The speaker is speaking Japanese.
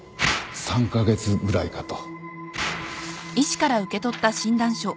３カ月ぐらいかと